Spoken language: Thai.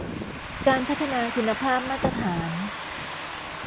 การพัฒนาคุณภาพมาตรฐาน